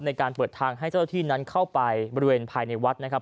ในการเปิดทางให้เจ้าที่นั้นเข้าไปบริเวณภายในวัดนะครับ